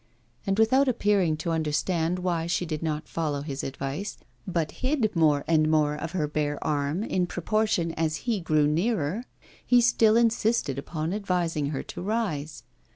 And without appearing to understand why she did not follow his advice, but hid more and more of her bare arm in proportion as he drew nearer, he still insisted upon advising her to rise.